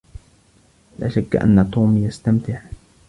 لا شك أن توم يستمتع.